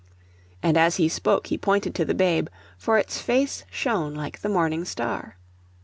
And as he spoke he pointed to the babe; for its face shone like the morning star.